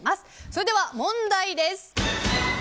それでは問題です。